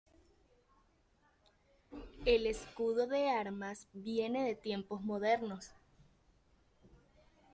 El escudo de armas viene de tiempos modernos.